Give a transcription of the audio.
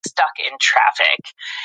موږ باید د ټولنیز عدالت لپاره کار وکړو.